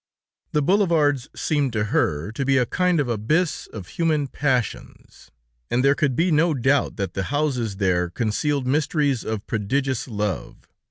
The boulevards seemed to her to be a kind of abyss of human passions, and there could be no doubt that the houses there concealed mysteries of prodigious love.